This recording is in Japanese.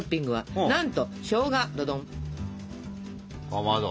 かまど。